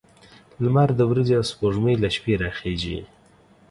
لمر د ورځې او سپوږمۍ له شپې راخيژي